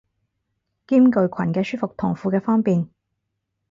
兼具裙嘅舒服同褲嘅方便